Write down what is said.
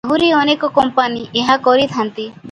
ଆହୁରି ଅନେକ କମ୍ପାନି ଏହା କରିଥାନ୍ତି ।